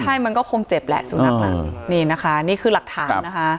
ใช่มันก็คงเจ็บแหละนี่คือหลักฐานนะคะ